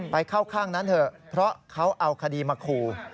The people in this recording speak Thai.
ไปเข้าข้างนั้นเพราะเขาเอาคดีมาครู